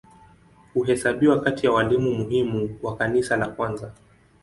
Huhesabiwa kati ya walimu muhimu wa Kanisa la kwanza.